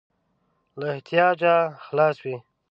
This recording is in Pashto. له احتیاجه خلاص وي.